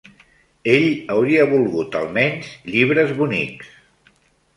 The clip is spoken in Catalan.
Ell hauria volgut almenys llibres bonics